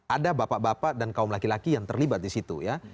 ada bapak bapak dan kaum laki laki yang terlibat di situ ya